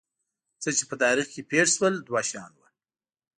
څه چې په تاریخ کې پېښ شول دوه شیان وو.